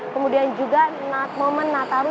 kemudian juga momen nataru